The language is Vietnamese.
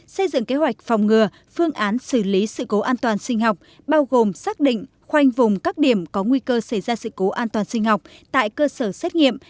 xây dựng kế hoạch phòng ngừa phương án xử lý sự cố an toàn sinh học bao gồm xác định khoanh vùng các điểm có nguy cơ xảy ra sự cố an toàn sinh học tại cơ sở xét nghiệm